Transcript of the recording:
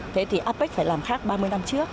thế thì apec phải làm khác ba mươi năm trước